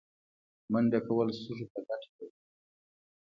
منډه کول سږو ته ګټه لري